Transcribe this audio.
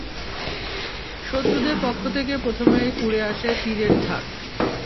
শত্রুদের পক্ষ থেকে প্রথমেই উড়ে আসে তীরের ঝাঁক।